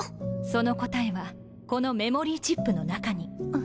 その答えはこのメモリーチップの中に。